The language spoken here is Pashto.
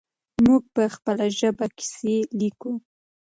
موږ په خپله ژبه کیسې لیکو.